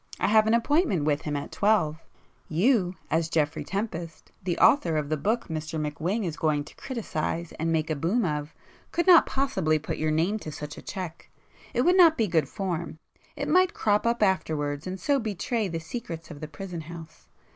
I have an appointment with him at twelve. You, as Geoffrey Tempest, the author of the book Mr McWhing is going to criticise and make a 'boom' of, could not possibly put your name to such a cheque. It would not be 'good form'—it might crop up afterwards and so betray 'the secrets of the prison house.